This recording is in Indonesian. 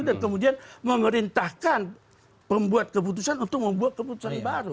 dan kemudian memerintahkan pembuat keputusan untuk membuat keputusan baru